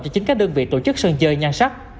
cho chính các đơn vị tổ chức sân chơi nhan sắc